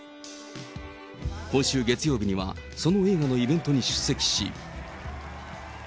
今週月曜日には、その映画のイベントに出席し。